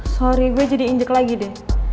sorry gue jadi injek lagi deh